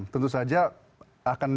tentu saja akan